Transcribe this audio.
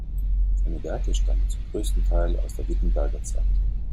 Seine Werke stammen zum größten Teil aus der Wittenberger Zeit.